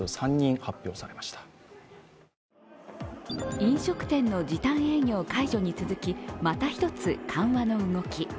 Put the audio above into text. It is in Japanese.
飲食店の時短営業解除に続き、また一つ緩和の動き。